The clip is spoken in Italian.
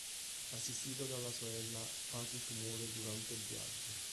Assistito dalla sorella, Patrick muore durante il viaggio.